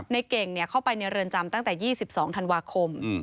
ในเก่งเข้าไปในเรือนจำตั้งแต่๒๒ธันวาคม